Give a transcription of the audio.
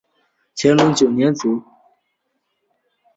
乾隆九年卒。